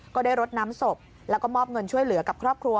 ก็ได้รดน้ำศพแล้วก็มอบเงินช่วยเหลือกับครอบครัว